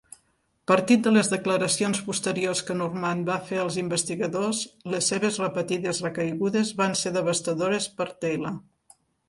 Partit de les declaracions posteriors que Normand va fer als investigadors, les seves repetides recaigudes van ser devastadores per a Taylor.